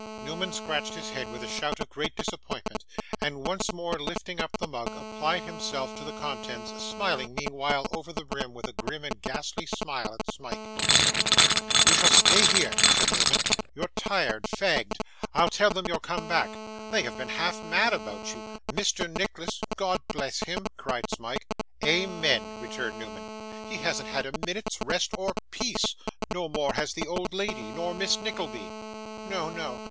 Newman scratched his head with a shout of great disappointment, and once more lifting up the mug, applied himself to the contents; smiling meanwhile, over the rim, with a grim and ghastly smile at Smike. 'You shall stay here,' said Newman; 'you're tired fagged. I'll tell them you're come back. They have been half mad about you. Mr. Nicholas ' 'God bless him!' cried Smike. 'Amen!' returned Newman. 'He hasn't had a minute's rest or peace; no more has the old lady, nor Miss Nickleby.' 'No, no.